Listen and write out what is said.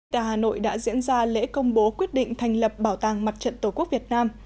đà hà nội đã diễn ra lễ công bố quyết định thành lập bảo tàng mặt trận tổ quốc việt nam